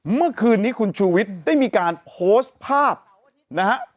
เมื่อคืนนี้คุณชูวิทย์ได้มีการโพสต์ภาพนะฮะ